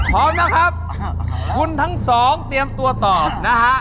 พร้อมนะครับคุณทั้งสองเตรียมตัวตอบนะฮะ